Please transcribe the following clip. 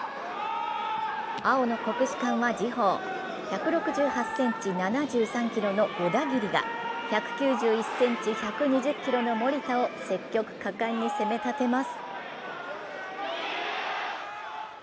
青の国士舘は次ほう、１６８ｃｍ７３ｋｇの小田桐が、１９１ｃｍ１２０ｋｇの森田を積極果敢に攻め立てます。